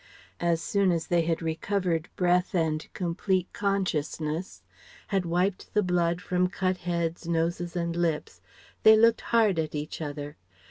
As soon as they had recovered breath and complete consciousness, had wiped the blood from cut heads, noses, and lips, they looked hard at each other.